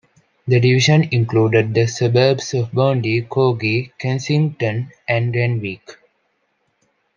The Division included the suburbs of Bondi, Coogee, Kensington and Randwick.